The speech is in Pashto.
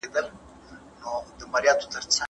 پخوانی نسل باید خپلو ماشومانو ته رښتیا ووایي.